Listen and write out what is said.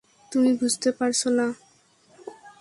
তুমি বুঝতে পারছ না।